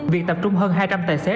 việc tập trung hơn hai trăm linh tài xế